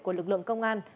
của lực lượng công an